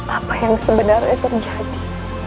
apa yang sebenarnya terjadi